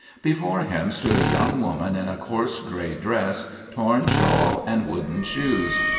Before him stood a young woman in a coarse gray dress, torn shawl, and wooden shoes.